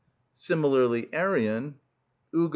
_" Similarly Arrian (iv.